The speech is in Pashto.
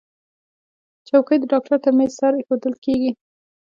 چوکۍ د ډاکټر تر میز سره ایښودل کېږي.